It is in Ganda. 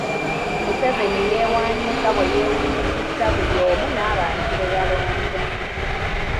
Museveni yeewaanye nga bwe yeewuunyisizza buli omu n’abantu be yalonze.